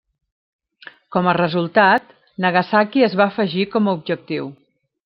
Com a resultat, Nagasaki es va afegir com a objectiu.